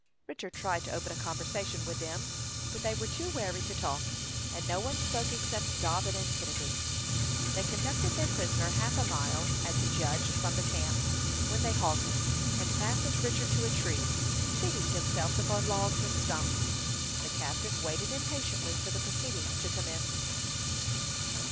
Richard tried to open a conversation with them, but they were too wary to talk, and no one spoke except Dobbin and Kennedy. They conducted their prisoner half a mile, as he judged, from the camp, when they halted, and fastened Richard to a tree, seating themselves upon logs and stumps. The captive waited impatiently for the proceedings to commence.